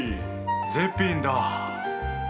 絶品だ！